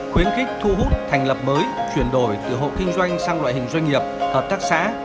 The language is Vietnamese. khuyến khích thu hút thành lập mới chuyển đổi từ hộ kinh doanh sang loại hình doanh nghiệp hợp tác xã